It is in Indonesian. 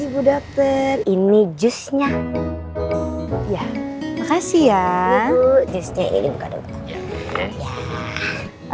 bisa buka dulu matanya